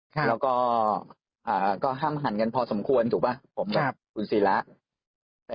แล้วก็ห้ามหันกันพอสมควรถูกป่ะผมกับคุณศิระ